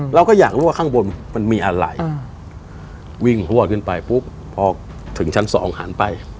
เราก็อยากรู้ว่าข้างบนมันมีอะไรวิ่งหัวขึ้นไปปุ๊บพอถึงชั้นสองหันไป